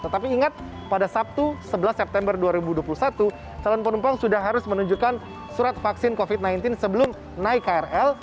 tetapi ingat pada sabtu sebelas september dua ribu dua puluh satu calon penumpang sudah harus menunjukkan surat vaksin covid sembilan belas sebelum naik krl